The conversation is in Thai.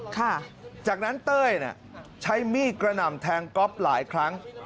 จากนั้นเต้ยน่ะใช้มีดกระหน่ำแทงก๊อฟหลายครั้ง